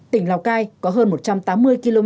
tỉnh lào cai có hơn một trăm tám mươi kỷ niệm